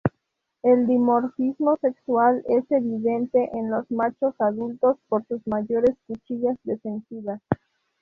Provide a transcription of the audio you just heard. El dimorfismo sexual es evidente en los machos adultos, por sus mayores cuchillas defensivas.